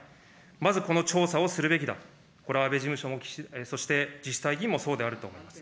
まずこの調査をするべきだと、これは安倍事務所も、そして自治体議員もそうであると思います。